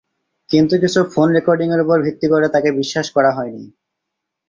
কিন্তু কিছু ফোন রেকর্ডিংয়ের উপর ভিত্তি করে তাকে বিশ্বাস করা হয়নি।